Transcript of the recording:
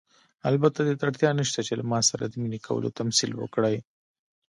البته دې ته اړتیا نشته چې له ما سره د مینې کولو تمثیل وکړئ.